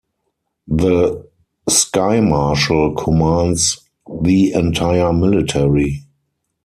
The "Sky Marshal" commands the entire military.